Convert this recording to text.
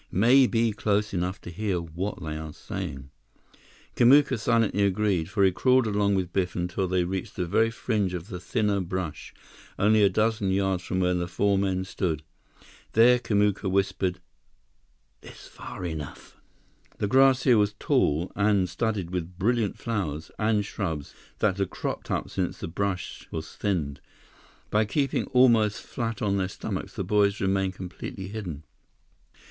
"Maybe close enough to hear what they are saying." Kamuka silently agreed, for he crawled along with Biff until they reached the very fringe of the thinner brush, only a dozen yards from where the four men stood. There, Kamuka whispered, "This far enough." The grass here was tall and studded with brilliant flowers and shrubs that had cropped up since the brush was thinned. By keeping almost flat on their stomachs, the boys remained completely hidden.